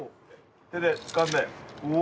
手でつかんでうお！